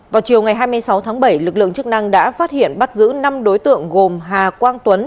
vào chiều ngày hai mươi sáu tháng bảy lực lượng chức năng đã phát hiện bắt giữ năm đối tượng gồm hà quang tuấn